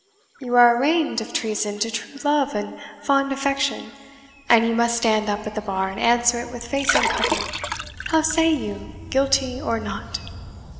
You are arraigned of treason to true love and fond affection, and you must stand up at the bar and answer it with face uncovered how say you, guilty or not?"